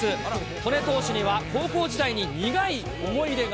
戸根投手には、高校時代に苦い思い出が。